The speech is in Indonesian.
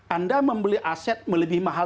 anda membeli aset lebih mahal